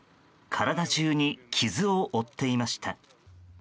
体中に傷を負っていました。